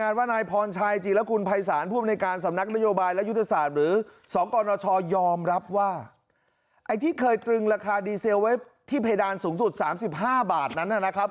ไอ้ที่เคยตรึงราคาดีเซลไว้ที่เพดานสูงสุด๓๕บาทนั้นนะครับ